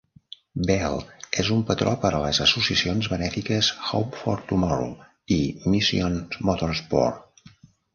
Bel és un patró per a les associacions benèfiques Hope for Tomorrow i Mission Motorsport.